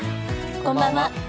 こんばんは。